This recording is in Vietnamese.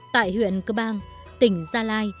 tại huyện cơ bang tỉnh gia lai